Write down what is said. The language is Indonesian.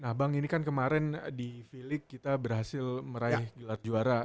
nah bang ini kan kemarin di filik kita berhasil meraih gelar juara